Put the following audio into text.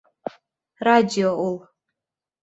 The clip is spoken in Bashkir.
Радио ул.